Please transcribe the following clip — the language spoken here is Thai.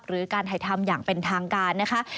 หรือการถ่ายทำอย่างเป็นทางการนะคะ